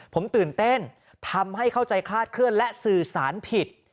ผมตื่นเต้นทำให้เข้าใจคลาดเคลื่อนและสื่อสารผิด